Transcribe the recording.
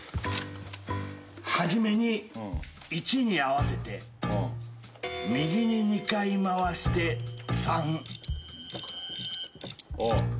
「初めに１に合わせて右に２回回して３」おう。